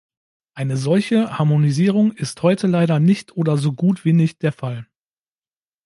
Eine solche Harmonisierung ist heute leider nicht oder so gut wie nicht der Fall.